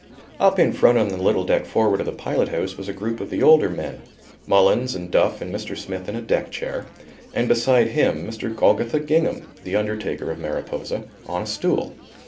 Up in front on the little deck forward of the pilot house was a group of the older men, Mullins and Duff and Mr. Smith in a deck chair, and beside him Mr. Golgotha Gingham, the undertaker of Mariposa, on a stool.